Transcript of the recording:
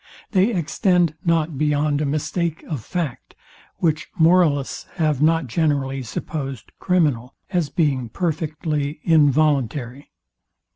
They extend not beyond a mistake of fact, which moralists have not generally supposed criminal, as being perfectly involuntary.